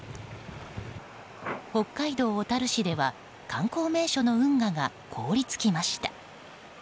北海道小樽市では観光名所の運河が凍り付きました。